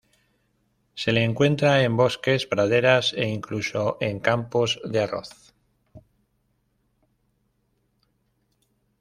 Se le encuentra en bosques, praderas e incluso en campos de arroz.